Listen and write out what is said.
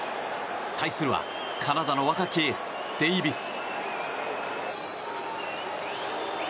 対するはカナダの若きエースデイビス。